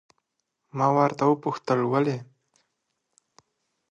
ما ورته وپوښتل ولې؟